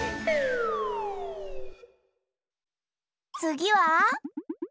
つぎは？